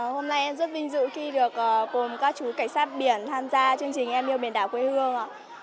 hôm nay em rất vinh dự khi được cùng các chú cảnh sát biển tham gia chương trình em yêu biển đảo quê hương